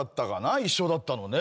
一緒だったのねえ。